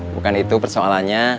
bukan itu persoalannya